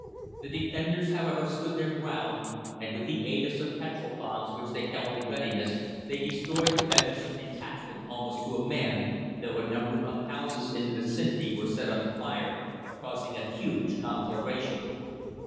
The defenders, however, stood their ground, and with the aid of some petrol bombs which they held in readiness, they destroyed the venturesome detachment almost to a man, though a number of houses in the vicinity were set on fire, causing a huge conflagration.